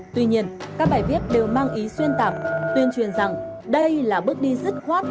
tuy nhiên các bài viết đều mang ý xuyên tạc tuyên truyền rằng đây là bước đi dứt khoát